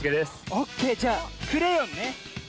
オッケーじゃあクレヨンね。